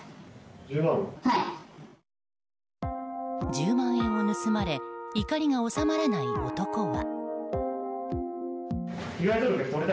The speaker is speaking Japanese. １０万円を盗まれ怒りが収まらない男は。